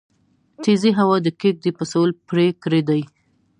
تيزې هوا د کيږدۍ پسول پرې کړی دی